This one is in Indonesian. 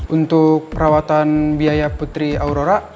untuk perawatan biaya putri aurora